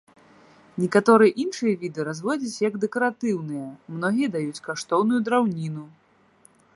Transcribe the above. Некаторыя іншыя віды разводзяць як дэкаратыўныя, многія даюць каштоўную драўніну.